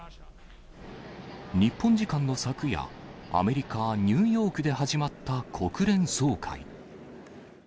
日本時間の昨夜、アメリカ・ニューヨークで始まった国連総会。